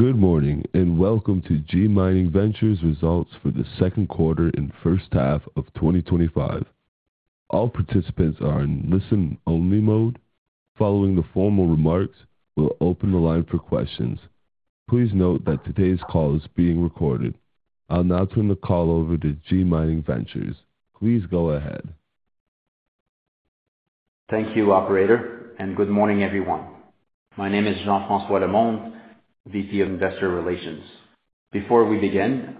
Good morning and welcome to G Mining Ventures Results for the Second Quarter and First Half of 2025. All participants are in listen-only mode. Following the formal remarks, we'll open the line for questions. Please note that today's call is being recorded. I'll now turn the call over to G Mining Ventures. Please go ahead. Thank you, operator, and good morning everyone. My name is Jean-François Lemonde, VP of Investor Relations. Before we begin,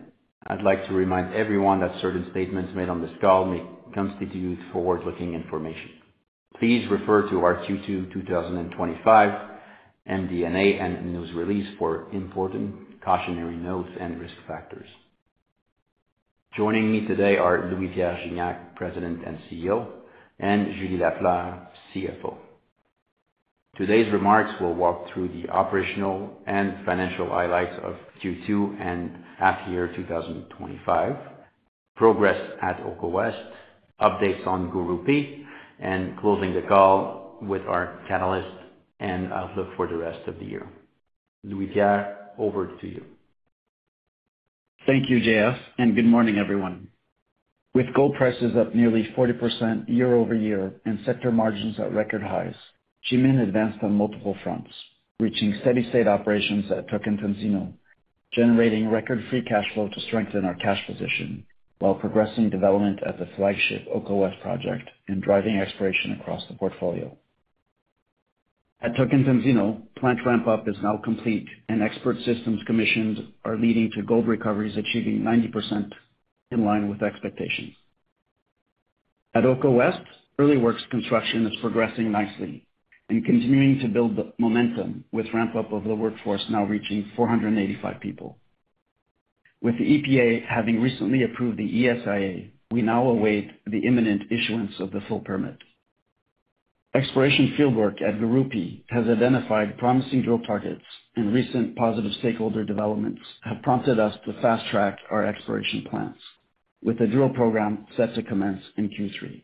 I'd like to remind everyone that certain statements made on this call may constitute forward-looking information. Please refer to our Q2 2025, MD&A and news release for important cautionary notes and risk factors. Joining me today are Louis-Pierre Gignac, President and CEO, and Julie Lafleur, CFO. Today's remarks will walk through the operational and financial highlights of Q2 and half-year 2025, progress at Oko West, updates on Gurupi, and closing the call with our catalyst and outlook for the rest of the year. Louis-Pierre, over to you. Thank you, JS, and good morning everyone. With gold prices up nearly 40% year-over-year and sector margins at record highs, GMIN advanced on multiple fronts, reaching steady-state operations at Tocantinzinho, generating record free cash flow to strengthen our cash position while progressing development at the flagship Oko West project and driving exploration across the portfolio. At Tocantinzinho, plant ramp-up is now complete, and expert systems commissioned are leading to gold recoveries achieving 90% in line with expectations. At Oko West, early works construction is progressing nicely and continuing to build momentum with ramp-up of the workforce now reaching 485 people. With the EPA having recently approved the ESIA, we now await the imminent issuance of the full permit. Exploration fieldwork at Gurupi has identified promising drill targets, and recent positive stakeholder developments have prompted us to fast-track our exploration plans, with the drill program set to commence in Q3.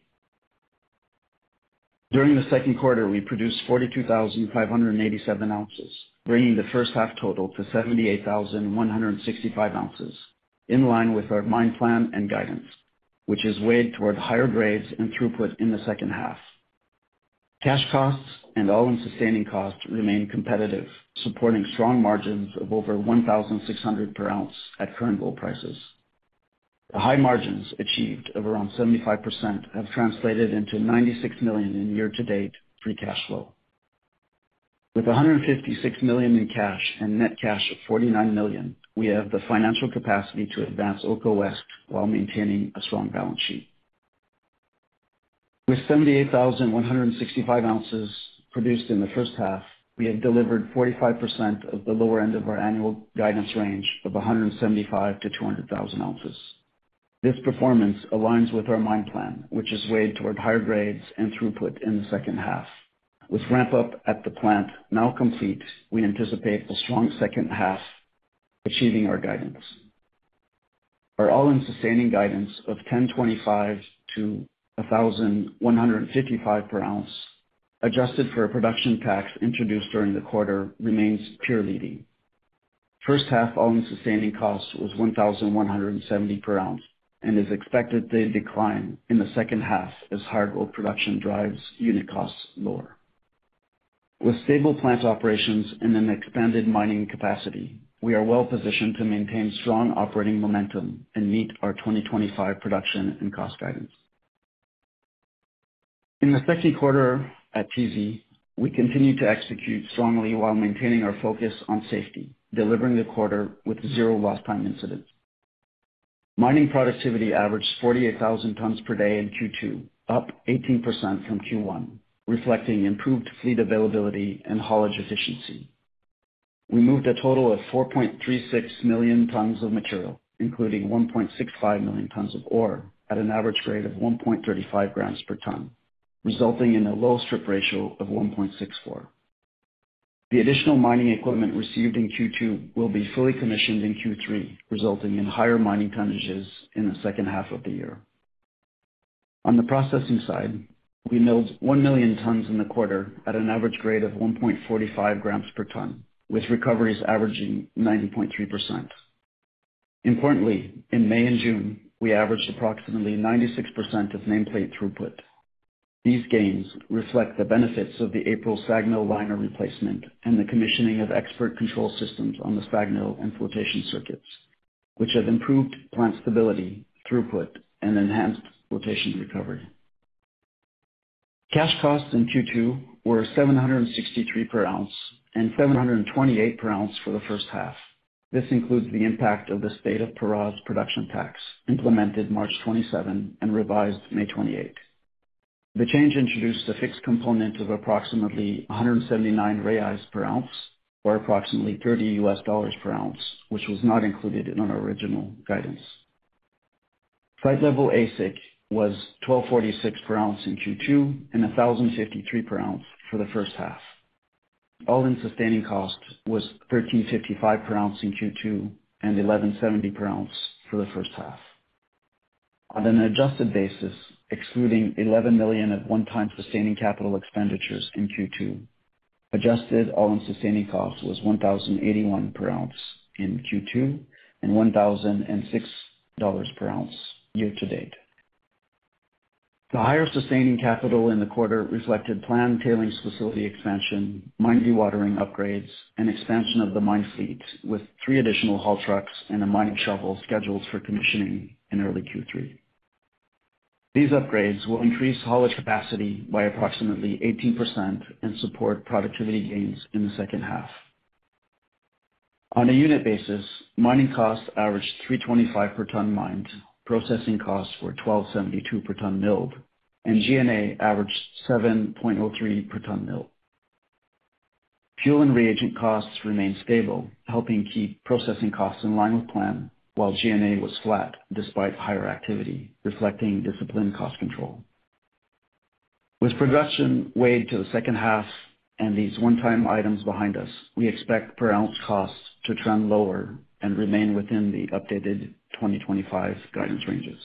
During the second quarter, we produced 42,587 ounces, bringing the first half total to 78,165 ounces, in line with our mine plan and guidance, which is weighted toward higher grades and throughput in the second half. Cash costs and all-in sustaining costs remain competitive, supporting strong margins of over $1,600 per ounce at current gold prices. The high margins achieved of around 75% have translated into $96 million in year-to-date free cash flow. With $156 million in cash and net cash of $49 million, we have the financial capacity to advance Oko West while maintaining a strong balance sheet. With 78,165 ounces produced in the first half, we have delivered 45% of the lower end of our annual guidance range of 175,000 to 200,000 ounces. This performance aligns with our mine plan, which is weighted toward higher grades and throughput in the second half. With ramp-up at the plant now complete, we anticipate a strong second half achieving our guidance. Our all-in sustaining guidance of $1,025 to $1,155 per ounce, adjusted for a production tax introduced during the quarter, remains clear. The first half all-in sustaining costs were $1,170 per ounce and are expected to decline in the second half as higher gold production drives unit costs lower. With stable plant operations and an expanded mining capacity, we are well positioned to maintain strong operating momentum and meet our 2025 production and cost guidance. In the second quarter at TZ, we continue to execute strongly while maintaining our focus on safety, delivering the quarter with zero lost time incidents. Mining productivity averaged 48,000 tons per day in Q2, up 18% from Q1, reflecting improved fleet availability and haulage efficiency. We moved a total of 4.36 million tons of material, including 1.65 million tons of ore, at an average grade of 1.35 grams per ton, resulting in a low strip ratio of 1.64. The additional mining equipment received in Q2 will be fully commissioned in Q3, resulting in higher mining tonnages in the second half of the year. On the processing side, we milled 1 million tons in the quarter at an average grade of 1.45 grams per ton, with recoveries averaging 90.3%. Importantly, in May and June, we averaged approximately 96% of nameplate throughput. These gains reflect the benefits of the April SAG mill liner replacement and the commissioning of expert control systems on the SAG mill and flotation circuits, which have improved plant stability, throughput, and enhanced flotation recovery. Cash costs in Q2 were $763 per ounce and $728 per ounce for the first half. This includes the impact of the state of Pará's production tax, implemented March 27 and revised May 28. The change introduced a fixed component of approximately 179 reais per ounce, or approximately $30 per ounce, which was not included in our original guidance. Site level AISC was $1,246 per ounce in Q2 and $1,053 per ounce for the first half. All-in sustaining cost was $1,355 per ounce in Q2 and $1,170 per ounce for the first half. On an adjusted basis, excluding $11 million of one-time sustaining capital expenditures in Q2, adjusted all-in sustaining cost was $1,081 per ounce in Q2 and $1,006 per ounce year to date. The higher sustaining capital in the quarter reflected planned tailings facility expansion, mine dewatering upgrades, and expansion of the mine fleet with three additional haul trucks and a mining shovel scheduled for commissioning in early Q3. These upgrades will increase hauler capacity by approximately 18% and support productivity gains in the second half. On a unit basis, mining costs averaged $3.25 per ton mined, processing costs were $12.72 per ton milled, and G&A averaged $7.03 per ton milled. Fuel and reagent costs remained stable, helping keep processing costs in line with plan, while G&A was flat despite higher activity, reflecting disciplined cost control. With progression weighed to the second half and these one-time items behind us, we expect per ounce costs to trend lower and remain within the updated 2025 guidance ranges.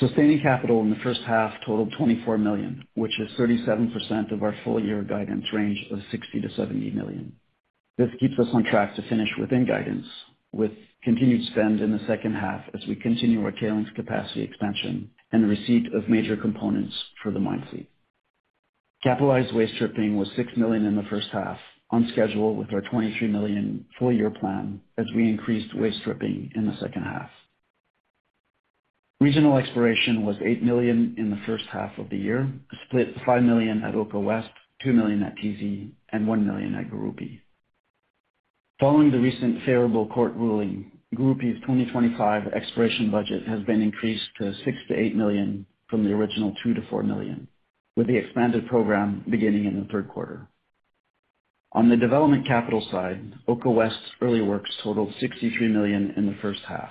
Sustaining capital in the first half totaled $24 million, which is 37% of our full-year guidance range of $60 million to $70 million. This keeps us on track to finish within guidance, with continued spend in the second half as we continue our tailings capacity expansion and receipt of major components for the mine fleet. Capitalized waste stripping was $6 million in the first half, on schedule with our $23 million full-year plan as we increased waste stripping in the second half. Regional exploration was $8 million in the first half of the year, split $5 million at Oko West, $2 million at TZ, and $1 million at Gurupi. Following the recent favorable court ruling, Gurupi's 2025 exploration budget has been increased to $6 million to $8 million from the original $2 million to $4 million, with the expanded program beginning in the third quarter. On the development capital side, Oko West's early works totaled $63 million in the first half.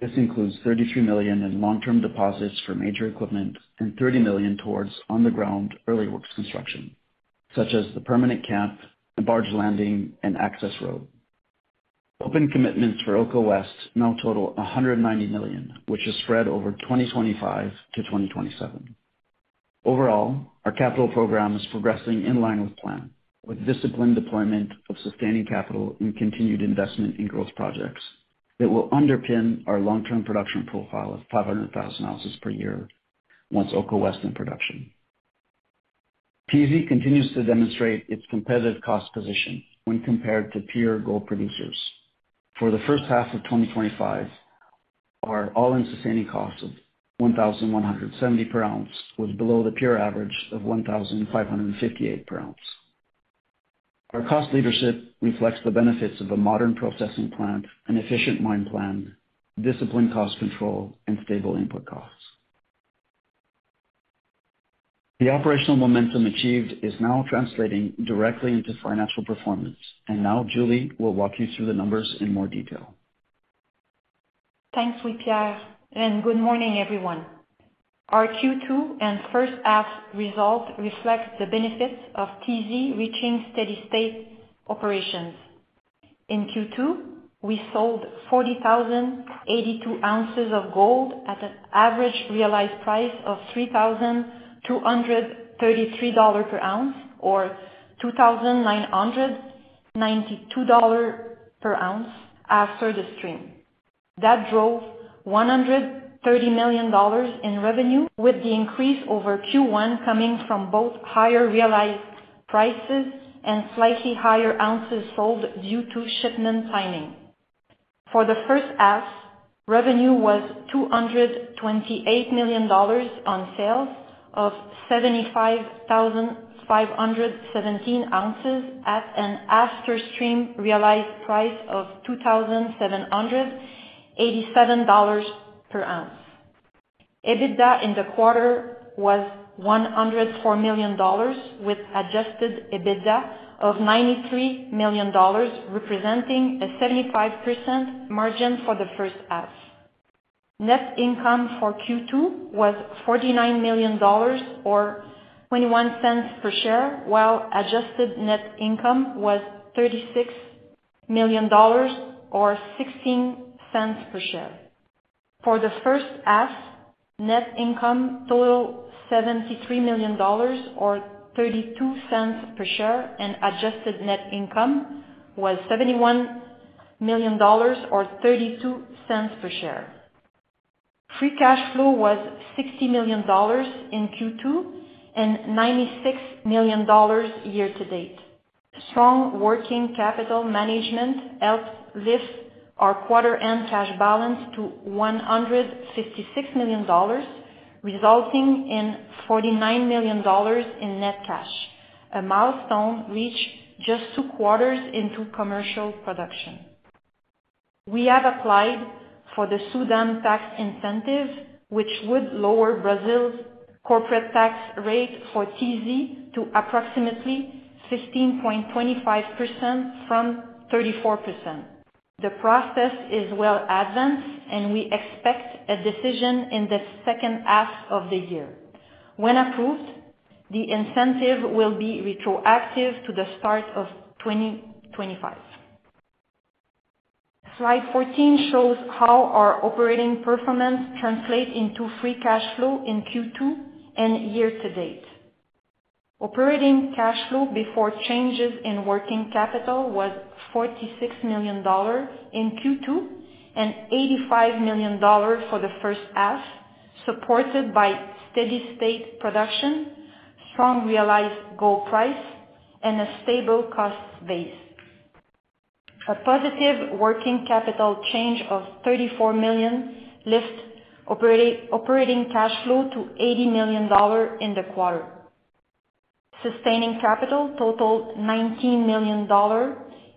This includes $33 million in long-term deposits for major equipment and $30 million towards on-the-ground early works construction, such as the permanent camp, the barge landing, and access road. Open commitments for Oko West now total $190 million, which is spread over 2025 to 2027. Overall, our capital program is progressing in line with plan, with disciplined deployment of sustaining capital and continued investment in growth projects that will underpin our long-term production profile of 500,000 ounces per year once Oko West is in production. TZ continues to demonstrate its competitive cost position when compared to peer gold producers. For the first half of 2025, our AISC of $1,170 per ounce was below the peer average of $1,558 per ounce. Our cost leadership reflects the benefits of a modern processing plant, an efficient mine plan, disciplined cost control, and stable input costs. The operational momentum achieved is now translating directly into financial performance, and now Julie will walk you through the numbers in more detail. Thanks, Louis-Pierre, and good morning everyone. Our Q2 and first half results reflect the benefits of TZ reaching steady-state operations. In Q2, we sold 40,082 ounces of gold at an average realized price of $3,233 per ounce, or $2,992 per ounce after the stream. That drove $130 million in revenue, with the increase over Q1 coming from both higher realized prices and slightly higher ounces sold due to shipment timing. For the first half, revenue was $228 million on sale of 75,517 ounces at an after-stream realized price of $2,787 per ounce. EBITDA in the quarter was $104 million, with adjusted EBITDA of $93 million, representing a 75% margin for the first half. Net income for Q2 was $49 million, or $0.21 per share, while adjusted net income was $36 million, or $0.16 per share. For the first half, net income totaled $73 million, or $0.32 per share, and adjusted net income was $71 million, or $0.32 per share. Free cash flow was $60 million in Q2 and $96 million year to date. Strong working capital management helped lift our quarter end cash balance to $156 million, resulting in $49 million in net cash, a milestone reached just two quarters into commercial production. We have applied for the SUDAM Tax Incentive, which would lower Brazil's corporate tax rate for TZ to approximately 15.25% from 34%. The process is well advanced, and we expect a decision in the second half of the year. When approved, the incentive will be retroactive to the start of 2025. Slide 14 shows how our operating performance translates into free cash flow in Q2 and year to date. Operating cash flow before changes in working capital was $46 million in Q2 and $85 million for the first half, supported by steady-state production, strong realized gold price, and a stable cost base. A positive working capital change of $34 million lifted operating cash flow to $80 million in the quarter. Sustaining capital totaled $19 million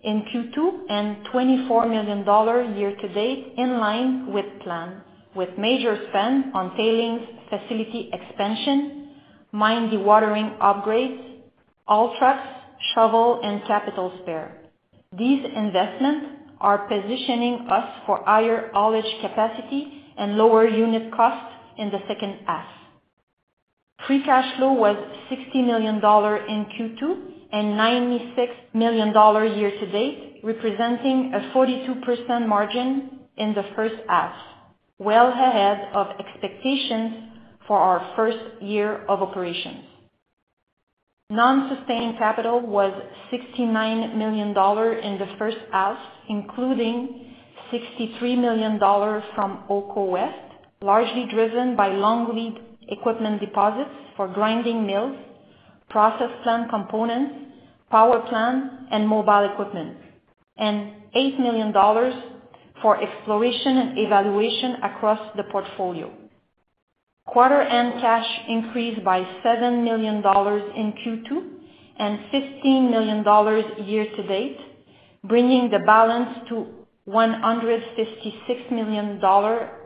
in Q2 and $24 million year to date, in line with plan, with major spend on tailings, facility expansion, mine dewatering upgrades, all tracks, shovel, and capital spare. These investments are positioning us for higher haulage capacity and lower unit costs in the second half. Free cash flow was $60 million in Q2 and $96 million year to date, representing a 42% margin in the first half, well ahead of expectations for our first year of operations. Non-sustaining capital was $69 million in the first half, including $63 million from Oko West, largely driven by long-lead equipment deposits for grinding mills, process plant components, power plant, and mobile equipment, and $8 million for exploration and evaluation across the portfolio. Quarter end cash increased by $7 million in Q2 and $15 million year to date, bringing the balance to $156 million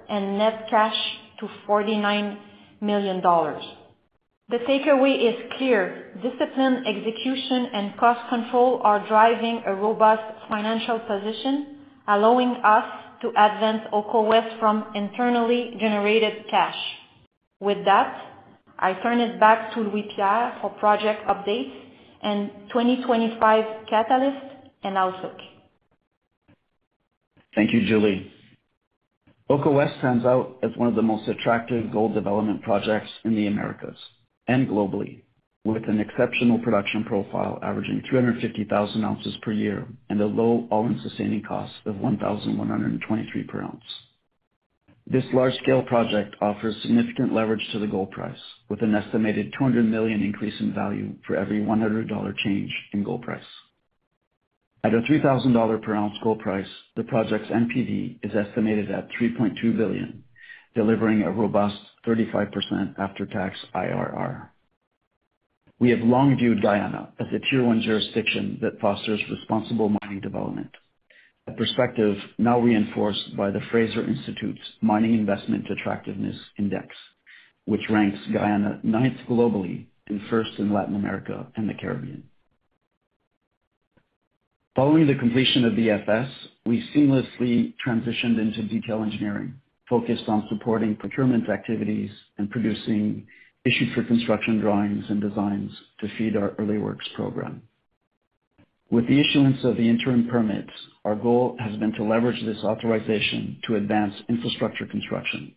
and net cash to $49 million. The takeaway is clear: discipline, execution, and cost control are driving a robust financial position, allowing us to advance Oko West from internally generated cash. With that, I turn it back to Louis-Pierre for project updates and 2025 catalyst and outlook. Thank you, Julie. Oko West stands out as one of the most attractive gold development projects in the Americas and globally, with an exceptional production profile averaging 350,000 ounces per year and a low all-in sustaining cost of $1,123 per ounce. This large-scale project offers significant leverage to the gold price, with an estimated $200 million increase in value for every $100 change in gold price. At a $3,000 per ounce gold price, the project's NPV is estimated at $3.2 billion, delivering a robust 35% after-tax IRR. We have long viewed Guyana as a Tier 1 jurisdiction that fosters responsible mining development, a perspective now reinforced by the Fraser Institute's Mining Investment Attractiveness Index, which ranks Guyana ninth globally and first in Latin America and the Caribbean. Following the completion of the FS, we seamlessly transitioned into detail engineering, focused on supporting procurement activities and producing issued for construction drawings and designs to feed our early works program. With the issuance of the interim permits, our goal has been to leverage this authorization to advance infrastructure construction,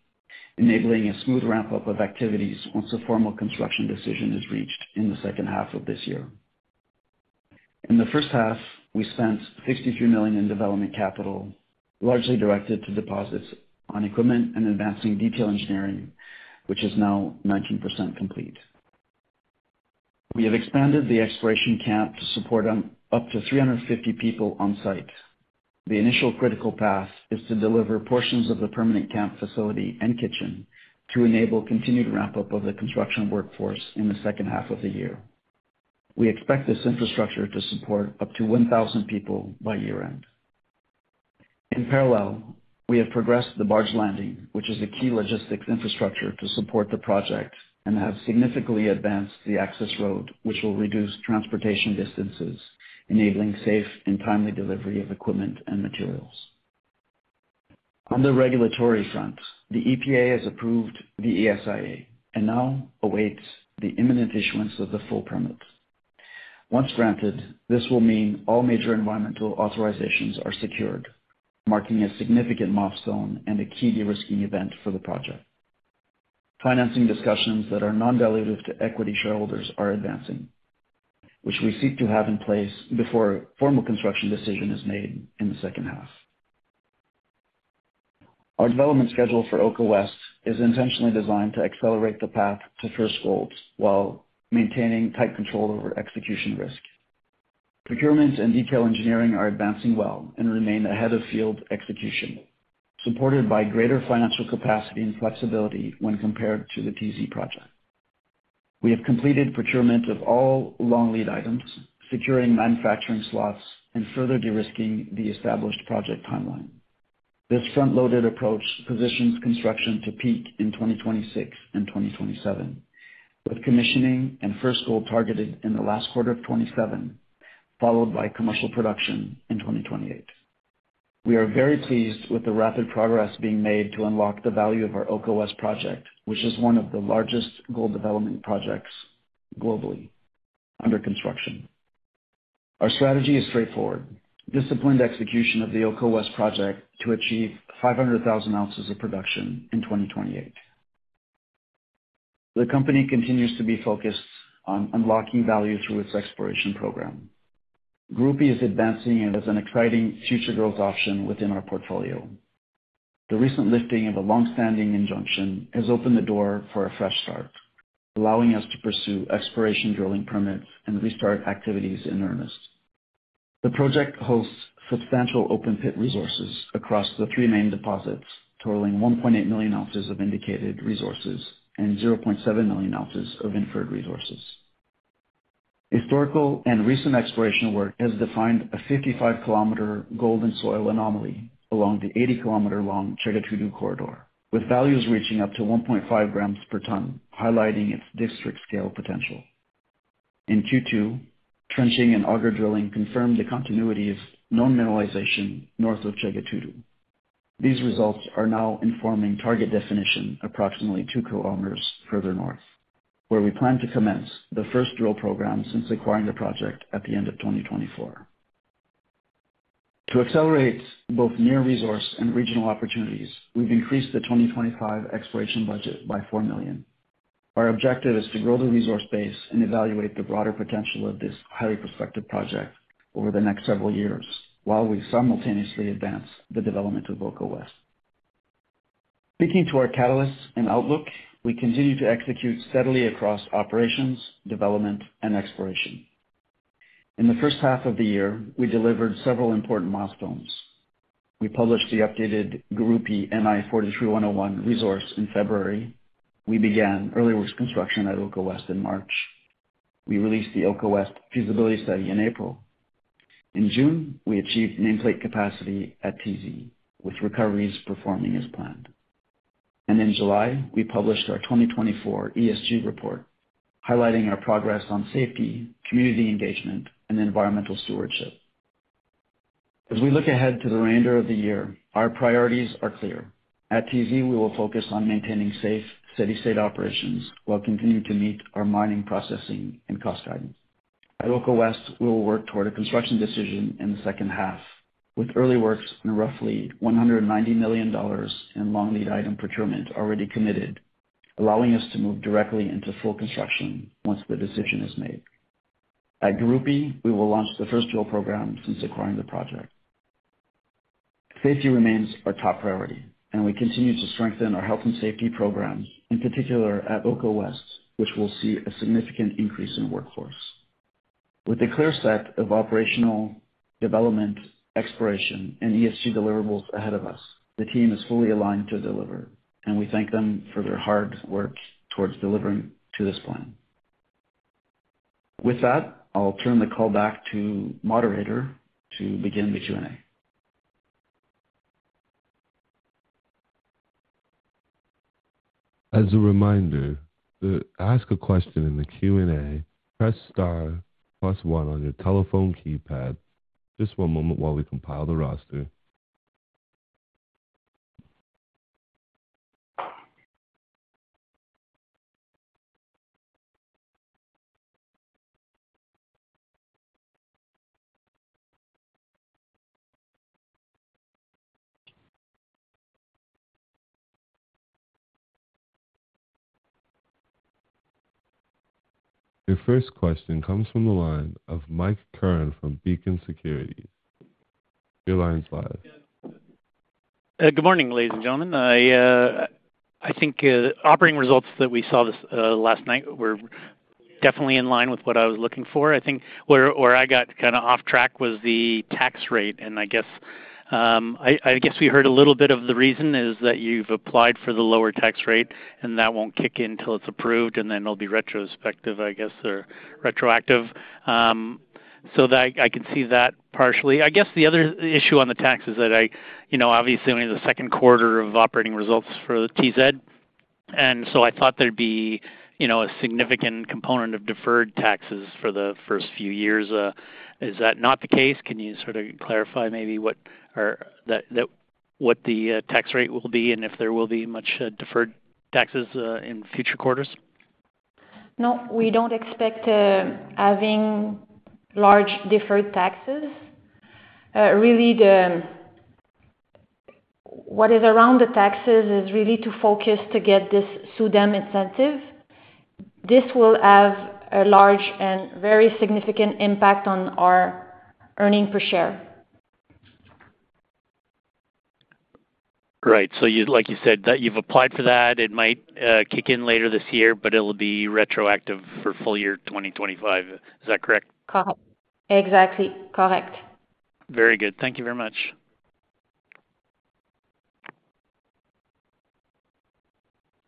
enabling a smooth ramp-up of activities once a formal construction decision is reached in the second half of this year. In the first half, we spent $63 million in development capital, largely directed to deposits on equipment and advancing detail engineering, which is now 19% complete. We have expanded the exploration camp to support up to 350 people on site. The initial critical path is to deliver portions of the permanent camp facility and kitchen to enable continued ramp-up of the construction workforce in the second half of the year. We expect this infrastructure to support up to 1,000 people by year-end. In parallel, we have progressed the barge landing, which is a key logistics infrastructure to support the project, and have significantly advanced the access road, which will reduce transportation distances, enabling safe and timely delivery of equipment and materials. On the regulatory front, the EPA has approved the ESIA and now awaits the imminent issuance of the full permit. Once granted, this will mean all major environmental authorizations are secured, marking a significant milestone and a key de-risking event for the project. Financing discussions that are non-dilutive to equity shareholders are advancing, which we seek to have in place before a formal construction decision is made in the second half. Our development schedule for Oko West is intentionally designed to accelerate the path to first gold while maintaining tight control over execution risk. Procurement and detail engineering are advancing well and remain ahead of field execution, supported by greater financial capacity and flexibility when compared to the TZ project. We have completed procurement of all long-lead items, securing manufacturing slots, and further de-risking the established project timeline. This front-loaded approach positions construction to peak in 2026 and 2027, with commissioning and first gold targeted in the last quarter of 2027, followed by commercial production in 2028. We are very pleased with the rapid progress being made to unlock the value of our Oko West project, which is one of the largest gold development projects globally under construction. Our strategy is straightforward: disciplined execution of the Oko West project to achieve 500,000 ounces of production in 2028. The company continues to be focused on unlocking value through its exploration programs. Gurupi is advancing as an exciting future growth option within our portfolio. The recent lifting of a long-standing injunction has opened the door for a fresh start, allowing us to pursue exploration drilling permits and restart activities in earnest. The project hosts substantial open pit resources across the three main deposits, totaling 1.8 million ounces of indicated resources and 0.7 million ounces of inferred resources. Historical and recent exploration work has defined a 55 km gold-in-soil anomaly along the 80 km long Chega Tudo corridor, with values reaching up to 1.5 grams per ton, highlighting its district-scale potential. In Q2, trenching and auger drilling confirmed the continuity of known mineralization north of Chega Tudo. These results are now informing target definition approximately 2 km further north, where we plan to commence the first drill program since acquiring the project at the end of 2024. To accelerate both near resource and regional opportunities, we've increased the 2025 exploration budget by $4 million. Our objective is to grow the resource base and evaluate the broader potential of this highly prospective project over the next several years, while we simultaneously advance the development of Oko West. Speaking to our catalysts and outlook, we continue to execute steadily across operations, development, and exploration. In the first half of the year, we delivered several important milestones. We published the updated Gurupi NI 43-101 resource in February. We began early works construction at Oko West in March. We released the Oko West feasibility study in April. In June, we achieved nameplate capacity at TZ, with recoveries performing as planned. In July, we published our 2024 ESG report, highlighting our progress on safety, community engagement, and environmental stewardship. As we look ahead to the remainder of the year, our priorities are clear. At TZ, we will focus on maintaining safe, steady-state operations while continuing to meet our mining, processing, and cost guidance. At Oko West, we will work toward a construction decision in the second half, with early works and roughly $190 million in long-lead item procurement already committed, allowing us to move directly into full construction once the decision is made. At Gurupi, we will launch the first drill program since acquiring the project. Safety remains our top priority, and we continue to strengthen our health and safety program, in particular at Oko West, which will see a significant increase in workforce. With a clear set of operational, development, exploration, and ESG deliverables ahead of us, the team is fully aligned to deliver, and we thank them for their hard work towards delivering to this plan. With that, I'll turn the call back to the moderator to begin the Q&A. As a reminder, to ask a question in the Q&A, press star plus one on your telephone keypad. Just one moment while we compile the roster. Your first question comes from the line of Mike Curran from Beacon Securities. Your line's live. Good morning, ladies and gentlemen. I think the operating results that we saw last night were definitely in line with what I was looking for. I think where I got kind of off track was the tax rate, and I guess we heard a little bit of the reason is that you've applied for the lower tax rate, and that won't kick in until it's approved, and then it'll be retrospective, I guess, or retroactive. I can see that partially. I guess the other issue on the tax is that I, you know, obviously only the second quarter of operating results for TZ, and I thought there'd be a significant component of deferred taxes for the first few years. Is that not the case? Can you sort of clarify maybe what the tax rate will be and if there will be much deferred taxes in future quarters? No, we don't expect having large deferred taxes. Really, what is around the taxes is really to focus to get this SUDAM incentive. This will have a large and very significant impact on our earnings per share. Great. Like you said, you've applied for that. It might kick in later this year, but it'll be retroactive for full year 2025. Is that correct? Correct. Exactly correct. Very good. Thank you very much.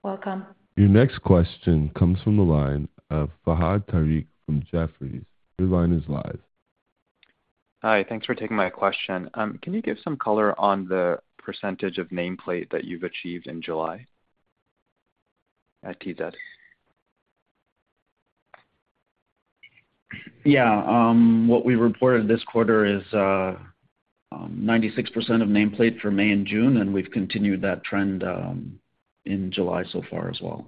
Welcome. Your next question comes from the line of Fahad Tariq from Jefferies. Your line is live. Hi, thanks for taking my question. Can you give some color on the percentage of nameplate that you've achieved in July at TZ? What we've reported this quarter is 96% of nameplate for May and June, and we've continued that trend in July so far as well.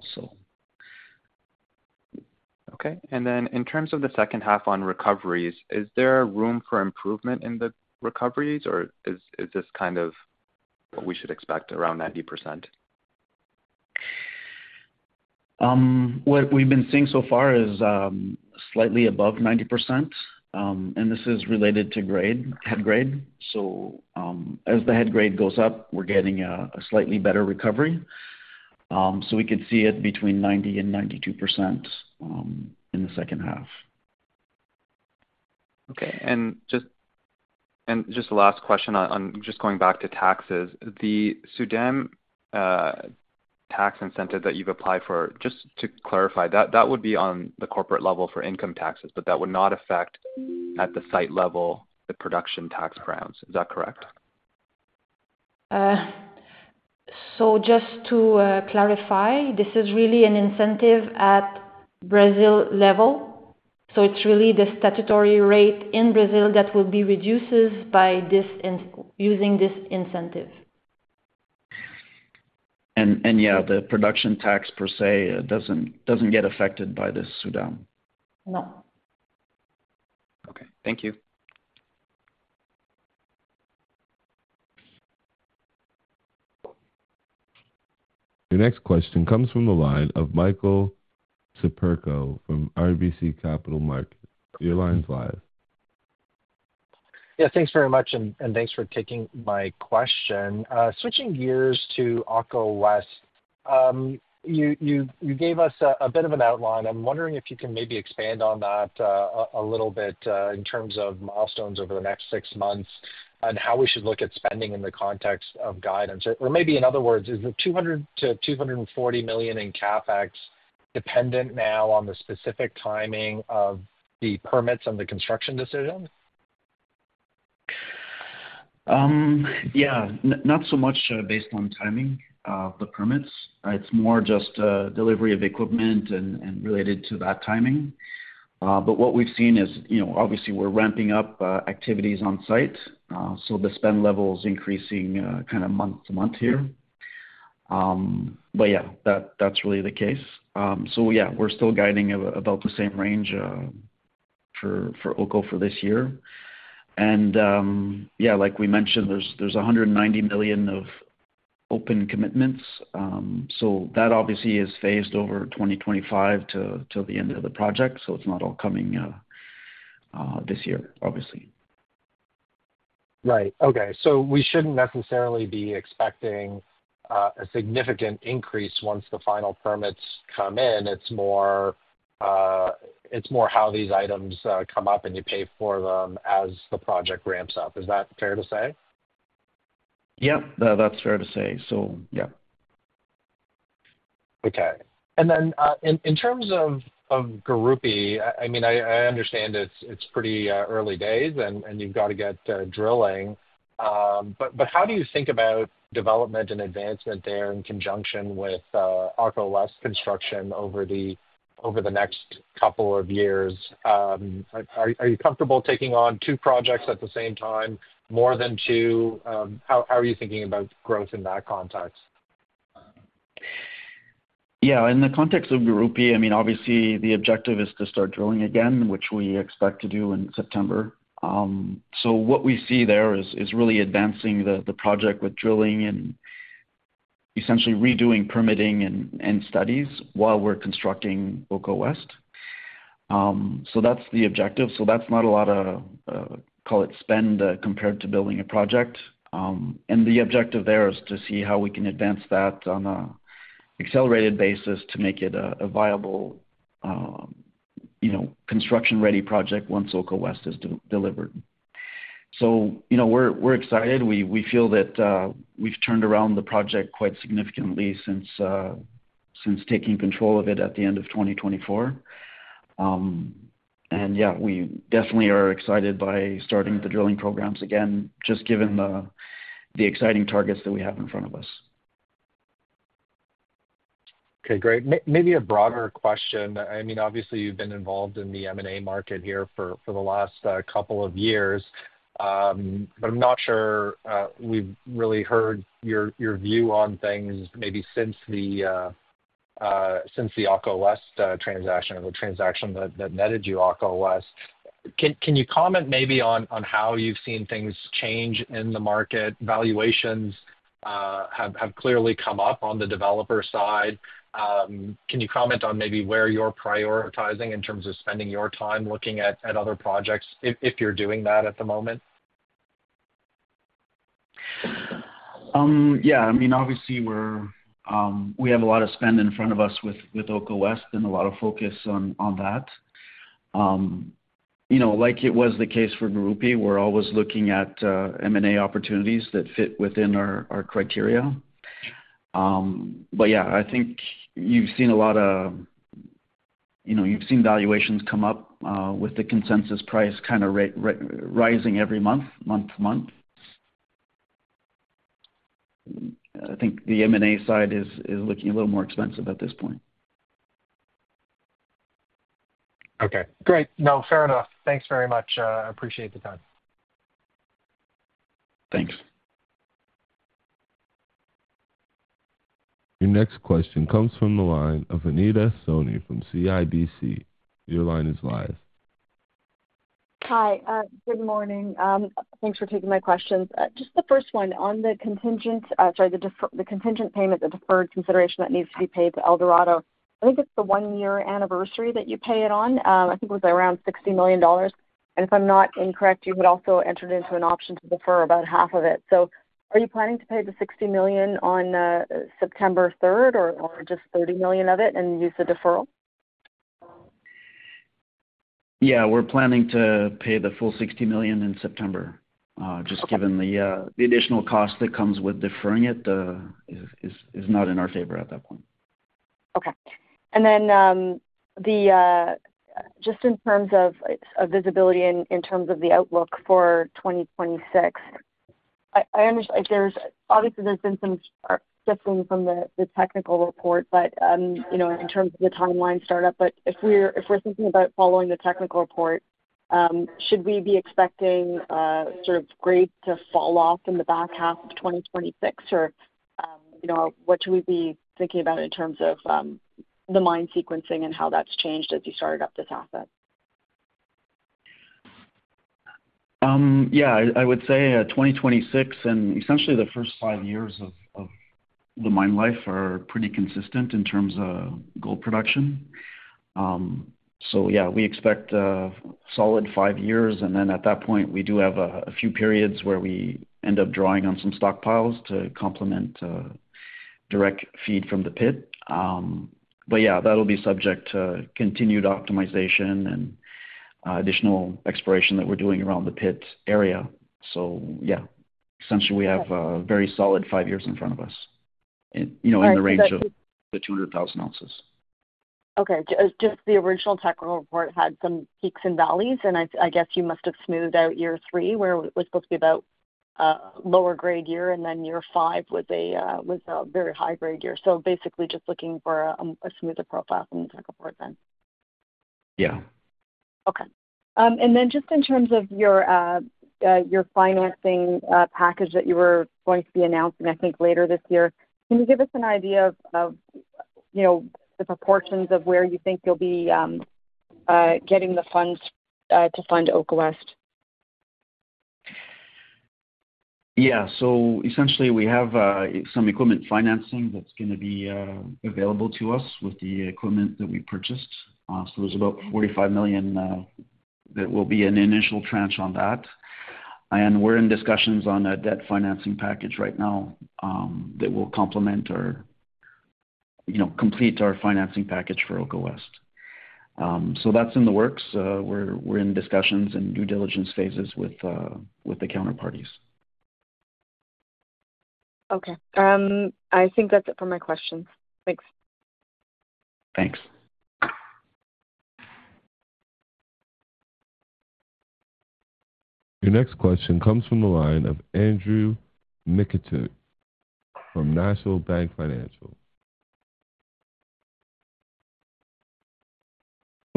Okay. In terms of the second half on recoveries, is there room for improvement in the recoveries, or is this kind of what we should expect, around 90%? What we've been seeing so far is slightly above 90%, and this is related to head grade. As the head grade goes up, we're getting a slightly better recovery. We could see it between 90% and 92% in the second half. Okay. Just a last question on just going back to taxes. The SUDAM Tax Incentive that you've applied for, just to clarify, that would be on the corporate level for income taxes, but that would not affect at the site level the production tax grounds. Is that correct? Just to clearify, this is really an incentive at Brazil level. It's really the statutory rate in Brazil that will be reduced by using this incentive. Yeah, the production tax per se doesn't get affected by this SUDAM. No. Okay, thank you. Your next question comes from the line of Michael Siperco from RBC Capital Markets. Your line's live. Yeah, thanks very much, and thanks for taking my question. Switching gears to Oko West, you gave us a bit of an outline. I'm wondering if you can maybe expand on that a little bit in terms of milestones over the next six months and how we should look at spending in the context of guidance. Or maybe in other words, is the $200 million to $240 million in CapEx dependent now on the specific timing of the permits and the construction decision? Yeah, not so much based on timing of the permits. It's more just delivery of equipment and related to that timing. What we've seen is, obviously, we're ramping up activities on site. The spend level is increasing kind of month to month here. That's really the case. We're still guiding about the same range for Oko for this year. Like we mentioned, there's $190 million of open commitments. That obviously is phased over 2025 till the end of the project. It's not all coming this year, obviously. Right. Okay. So we shouldn't necessarily be expecting a significant increase once the final permits come in. It's more how these items come up and you pay for them as the project ramps up. Is that fair to say? Yeah, that's fair to say. Yeah. Okay. And then in terms of Gurupi, I mean, I understand it's pretty early days and you've got to get drilling. How do you think about development and advancement there in conjunction with Oko West construction over the next couple of years? Are you comfortable taking on two projects at the same time, more than two? How are you thinking about growth in that context? Yeah, in the context of Gurupi, the objective is to start drilling again, which we expect to do in September. What we see there is really advancing the project with drilling and essentially redoing permitting and studies while we're constructing Oko West. That's the objective. That's not a lot of, call it, spend compared to building a project. The objective there is to see how we can advance that on an accelerated basis to make it a viable, construction-ready project once Oko West is delivered. We're excited. We feel that we've turned around the project quite significantly since taking control of it at the end of 2024. We definitely are excited by starting the drilling programs again, just given the exciting targets that we have in front of us. Okay, great. Maybe a broader question. I mean, obviously, you've been involved in the M&A market here for the last couple of years, but I'm not sure we've really heard your view on things maybe since the Oko West transaction or the transaction that netted you Oko West. Can you comment maybe on how you've seen things change in the market? Valuations have clearly come up on the developer side. Can you comment on maybe where you're prioritizing in terms of spending your time looking at other projects, if you're doing that at the moment? Yeah, I mean, obviously, we have a lot of spend in front of us with Oko West and a lot of focus on that. Like it was the case for Gurupi, we're always looking at M&A opportunities that fit within our criteria. I think you've seen valuations come up with the consensus price kind of rising every month, month to month. I think the M&A side is looking a little more expensive at this point. Okay, great. No, fair enough. Thanks very much. I appreciate the time. Thanks. Your next question comes from the line of Anita Soni from CIBC. Your line is live. Hi. Good morning. Thanks for taking my questions. Just the first one, on the contingent -- for the contingent payment, the deferred consideration that needs to be paid to Eldorado, I think it's the one-year anniversary that you pay it on. I think it was around $60 million. If I'm not incorrect, you had also entered into an option to defer about half of it. Are you planning to pay the $60 million on September 3rd or just $30 million of it and use the deferral? Yeah, we're planning to pay the full $60 million in September. Just given the additional cost that comes with deferring it, it is not in our favor at that point. Okay. In terms of visibility and in terms of the outlook for 2026, I understand there's obviously been some shifting from the technical report, but in terms of the timeline startup, if we're thinking about following the technical report, should we be expecting sort of grades to fall off in the back half of 2026, or what should we be thinking about in terms of the mine sequencing and how that's changed as you started up this asset? Yeah, I would say 2026, and essentially the first five years of the mine life are pretty consistent in terms of gold production. We expect a solid five years, and at that point, we do have a few periods where we end up drawing on some stockpiles to complement direct feed from the pit. That'll be subject to continued optimization and additional exploration that we're doing around the pit area. Essentially, we have a very solid five years in front of us, you know, in the range of the 200,000 ounces. Okay. Just the original technical report had some peaks and valleys, and I guess you must have smoothed out year three, where it was supposed to be about a lower grade year, and then year five was a very high grade year. Basically, just looking for a smoother profile from the technical report then. Yeah. Okay. In terms of your financing package that you were going to be announcing, I think, later this year, can you give us an idea of the proportions of where you think you'll be getting the funds to fund Oko West? Yeah. Essentially, we have some equipment financing that's going to be available to us with the equipment that we purchased. There's about $45 million that will be an initial tranche on that. We're in discussions on a debt financing package right now that will complement or complete our financing package for Oko West. That's in the works. We're in discussions and due diligence phases with the counterparties. Okay, I think that's it for my questions. Thanks. Thanks. Your next question comes from the line of Andrew Mikitchook from National Bank Financial.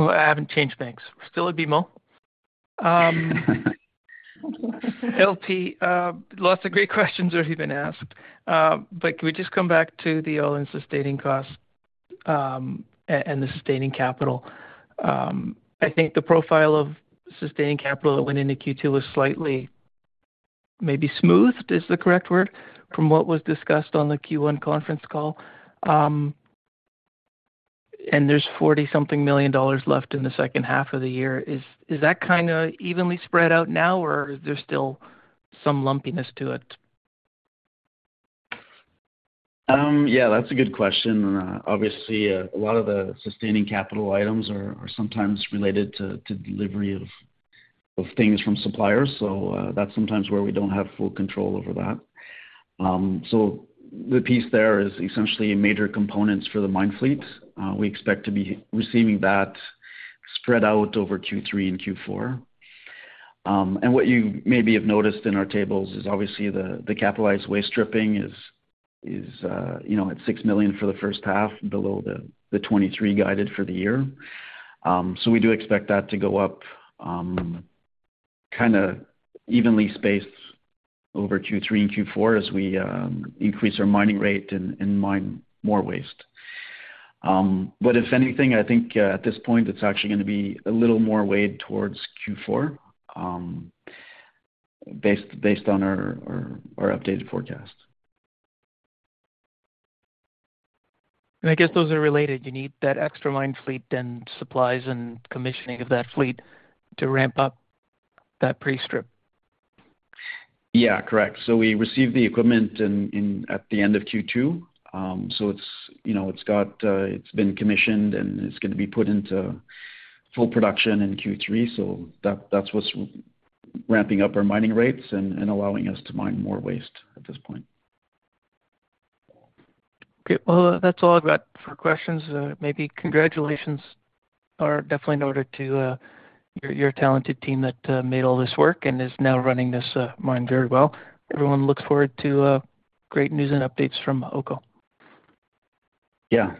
I haven't changed banks. Still at BMO. LT, lots of great questions already been asked. Can we just come back to the all-in sustaining costs and the sustaining capital? I think the profile of sustaining capital that went into Q2 was slightly, maybe "smoothed" is the correct word, from what was discussed on the Q1 conference call. There's $40 million something left in the second half of the year. Is that kind of evenly spread out now, or is there still some lumpiness to it? That's a good question. Obviously, a lot of the sustaining capital items are sometimes related to delivery of things from suppliers. That's sometimes where we don't have full control over that. The piece there is essentially major components for the mine fleet. We expect to be receiving that spread out over Q3 and Q4. What you maybe have noticed in our tables is the capitalized waste stripping is at $6 million for the first half, below the $23 million guided for the year. We do expect that to go up, kind of evenly spaced over Q3, Q4 as we increase our mining rate and mine more waste. If anything, I think at this point, it's actually going to be a little more weighed towards Q4 based on our updated forecast. Those are related. You need that extra mine fleet and supplies and commissioning of that fleet to ramp up that pre-strip. Correct. We received the equipment at the end of Q2. It's been commissioned and it's going to be put into full production in Q3. That's what's ramping up our mining rates and allowing us to mine more waste at this point. That's all I've got for questions. Congratulations are definitely noted to your talented team that made all this work and is now running this mine very well. Everyone looks forward to great news and updates from Oko.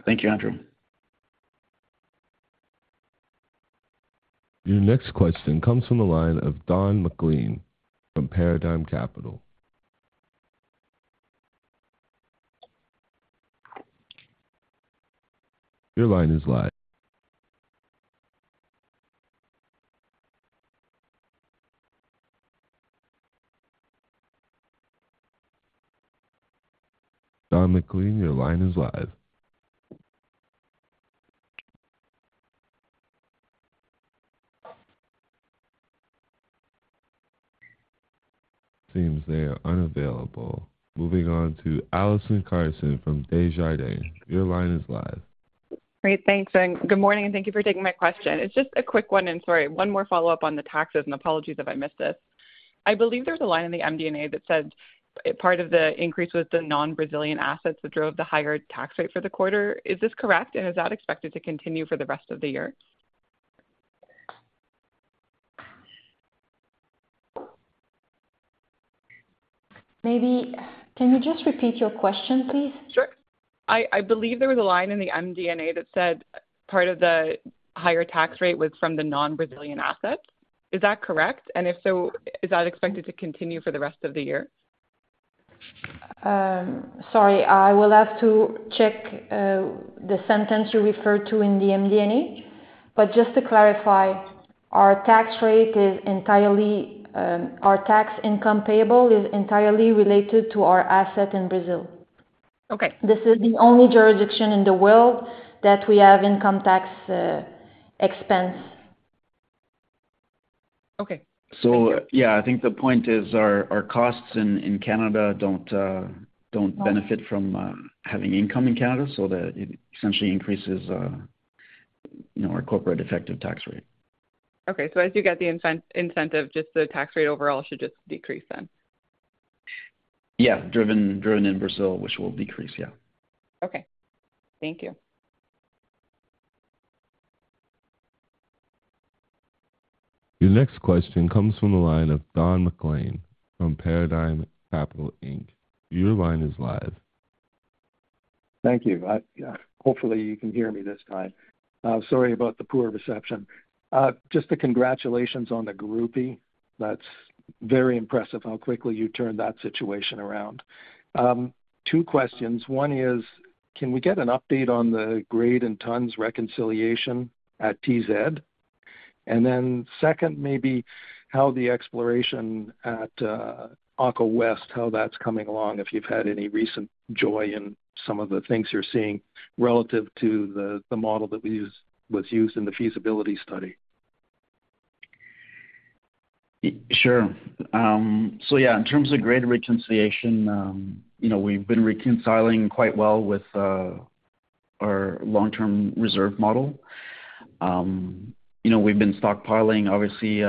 Thank you, Andrew. Your next question comes from the line of Don McLean from Paradigm Capital. Your line is live. Don McLean, your line is live. Seems they are unavailable. Moving on to Allison Carson from Desjardins. Your line is live. Great. Thanks. Good morning, and thank you for taking my question. It's just a quick one, and sorry, one more follow-up on the taxes, and apologies if I missed this. I believe there's a line in the MD&A that said part of the increase was the non-Brazilian assets that drove the higher tax rate for the quarter. Is this correct, and is that expected to continue for the rest of the year? Maybe, can you just repeat your question, please? Sure. I believe there was a line in the MD&A that said part of the higher tax rate was from the non-Brazilian assets. Is that correct? If so, is that expected to continue for the rest of the year? Sorry, I will have to check the sentence you referred to in the MD&A. Just to clarify, our tax rate is entirely, -- our tax income payable is entirely related to our asset in Brazil. Okay. This is the only jurisdiction in the world that we have income tax expense. Okay. I think the point is our costs in Canada don't benefit from having income in Canada, so that it essentially increases, you know, our corporate effective tax rate. Okay. As you get the incentive, just the tax rate overall should just decrease then? Yeah, driven in Brazil, which will decrease. Okay, thank you. Your next question comes from the line of Don McLean from Paradigm Capital Inc. Your line is live. Thank you. Hopefully, you can hear me this time. Sorry about the poor reception. Just the congratulations on the Gurupi. That's very impressive how quickly you turned that situation around. Two questions. One is, can we get an update on the grade and tons reconciliation at TZ? And then second, maybe how the exploration at Oko West, how that's coming along, if you've had any recent joy in some of the things you're seeing relative to the model that was used in the feasibility study. Sure. In terms of grade reconciliation, we've been reconciling quite well with our long-term reserve model. We've been stockpiling, obviously,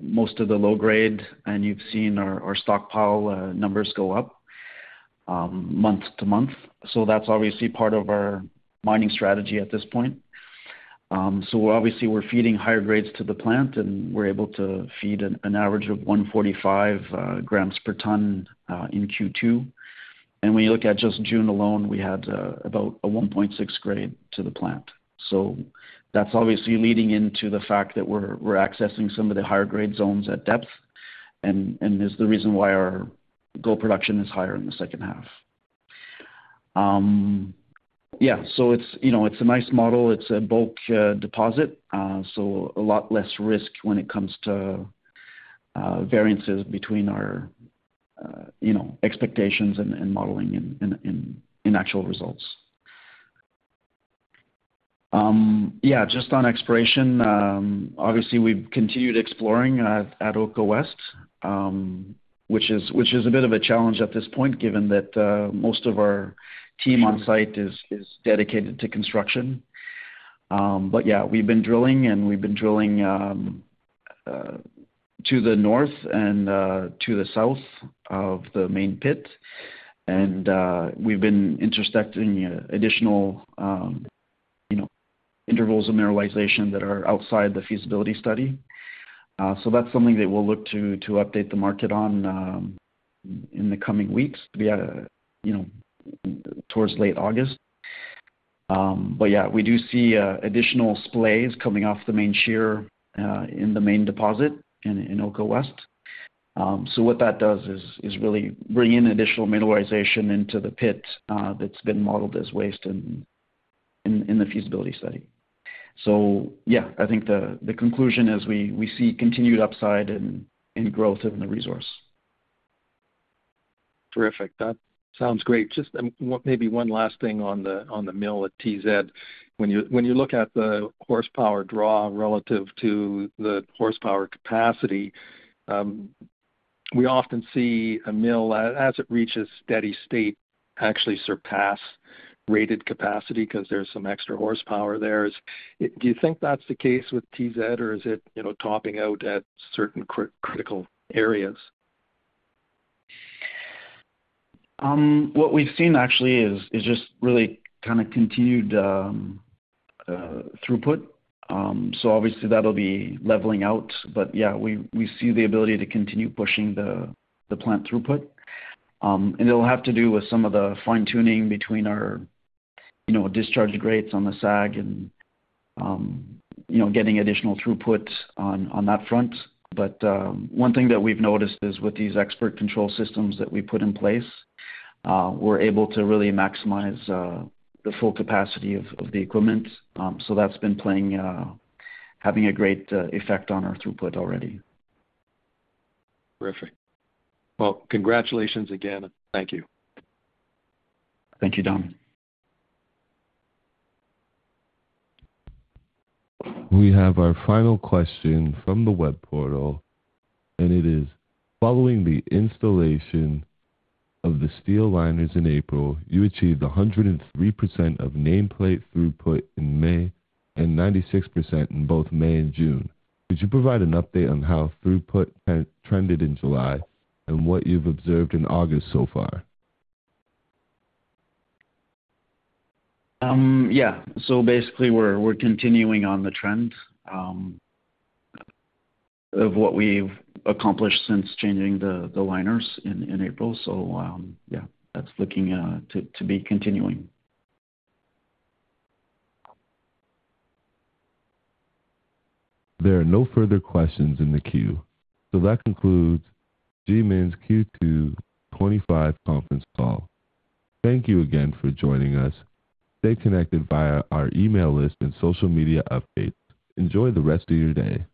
most of the low grade, and you've seen our stockpile numbers go up month to month. That's obviously part of our mining strategy at this point. We're feeding higher grades to the plant, and we're able to feed an average of 1.45 grams per ton in Q2. When you look at just June alone, we had about a 1.6 grade to the plant. That's leading into the fact that we're accessing some of the higher grade zones at depth and is the reason why our gold production is higher in the second half. It's a nice model. It's a bulk deposit, so a lot less risk when it comes to variances between our expectations and modeling and in actual results. Just on exploration, we've continued exploring at Oko West, which is a bit of a challenge at this point given that most of our team on site is dedicated to construction. We've been drilling, and we've been drilling to the north and to the south of the main pit. We've been intersecting additional intervals of mineralization that are outside the feasibility study. That's something that we'll look to update the market on in the coming weeks, towards late August. We do see additional splays coming off the main shear in the main deposit in Oko West. What that does is really bring in additional mineralization into the pit that's been modeled as waste in the feasibility study. I think the conclusion is we see continued upside and growth in the resource. Terrific. That sounds great. Just maybe one last thing on the mill at TZ. When you look at the horsepower draw relative to the horsepower capacity, we often see a mill, as it reaches steady state, actually surpass rated capacity because there's some extra horsepower there. Do you think that's the case with TZ, or is it topping out at certain critical areas? What we've seen, actually, is just really kind of continued throughput. Obviously, that'll be leveling out. Yeah, we see the ability to continue pushing the plant throughput. It'll have to do with some of the fine-tuning between our discharge grates on the SAG and getting additional throughput on that front. One thing that we've noticed is with these expert control systems that we put in place, we're able to really maximize the full capacity of the equipment. That's been playing, having a great effect on our throughput already. Terrific. Congratulations again. Thank you. Thank you, Don. We have our final question from the web portal, and it is, following the installation of the steel liners in April, you achieved 103% of nameplate throughput in May and 96% in both May and June. Could you provide an update on how throughput trended in July and what you've observed in August so far? Yeah, we're continuing on the trend of what we've accomplished since changing the liners in April. That's looking to be continuing. There are no further questions in the queue. That concludes GMIN's Q2 2025 conference call. Thank you again for joining us. Stay connected via our email list and social media updates. Enjoy the rest of your day.